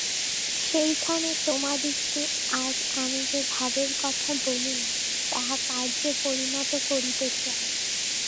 সেইখানে তোমাদিগকে আজ আমি যে-ভাবের কথা বলিলাম, তাহা কার্যে পরিণত করিতে চাই।